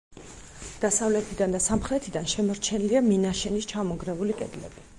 დასავლეთიდან და სამხრეთიდან შემორჩენილია მინაშენის ჩამონგრეული კედლები.